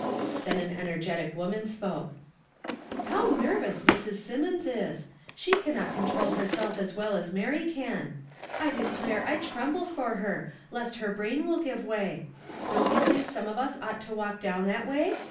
Tiien an energetic woman spoke. "How ner vous Mrs. Symonds is ! she cannot conti'ol herself as well as Mary can. I declare, I trend)le for her, lest her brain will give way. Don't you think some of us ought to walk down that way?